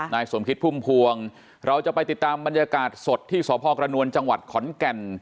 นายสมคิดพุ่มพวงเราจะไปติดตามบรรยากาศสดที่สพกระนวลจังหวัดขอนแก่น